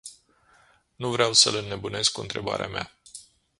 Nu vreau să-l înnebunesc cu întrebarea mea.